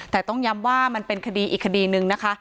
แต่ต้องย้ำว่ามันเป็นคดีอีกคดีนึงนะคะ